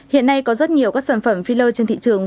hiện nay có rất nhiều các sản phẩm philor trên thị trường